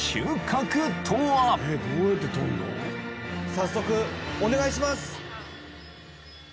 早速お願いします。